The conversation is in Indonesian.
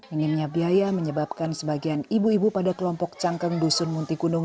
minimnya biaya menyebabkan sebagian ibu ibu pada kelompok cangkeng dusun muntikunung